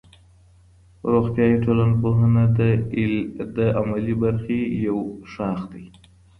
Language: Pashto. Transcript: روغتیایی ټولنپوهنه د عملي برخې یو شاخ دی.